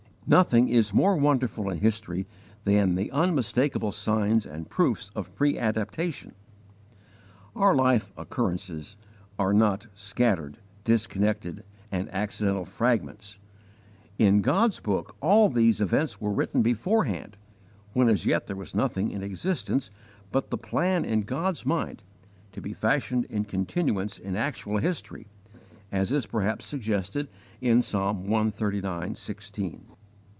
Nothing is more wonderful in history than the unmistakable signs and proofs of preadaptation. Our life occurrences are not disjecta membra scattered, disconnected, and accidental fragments. In God's book all these events were written beforehand, when as yet there was nothing in existence but the plan in God's mind to be fashioned in continuance in actual history as is perhaps suggested in Psalm cxxxix. 16 (margin).